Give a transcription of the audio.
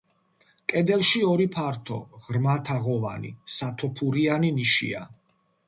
კედელში ორი ფართო, ღრმა, თაღოვანი, სათოფურიანი ნიშია.